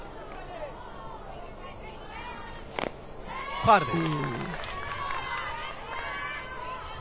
ファウルです。